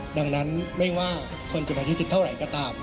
ดังนั้นไม่ว่าคนจะมาที่๑๐เท่าไหร่ก็ตาม